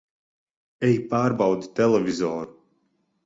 Ej pārbaudi televizoru!